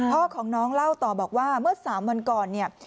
พ่อของน้องเล่าต่อบอกว่าเมื่อ๓วันก่อนเนี่ย